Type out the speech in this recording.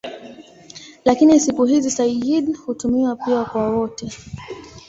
Lakini siku hizi "sayyid" hutumiwa pia kwa wote.